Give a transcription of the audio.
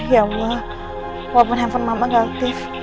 ya allah walaupun handphone mama gak aktif